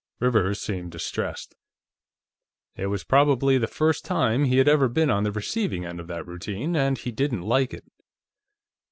Rivers seemed distressed. It was probably the first time he had ever been on the receiving end of that routine, and he didn't like it.